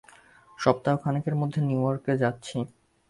সপ্তাহখানেকের মধ্যে নিউ ইয়র্কে যাচ্ছি।